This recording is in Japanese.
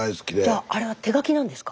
じゃああれは手書きなんですか？